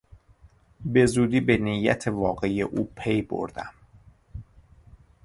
بزودی به نیت واقعی او پی بردم.